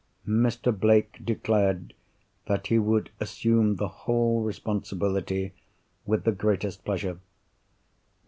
Mr. Blake declared that he would assume the whole responsibility with the greatest pleasure.